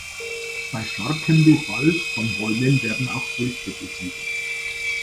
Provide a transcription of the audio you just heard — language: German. Bei starkem Befall von Bäumen werden auch Früchte besiedelt.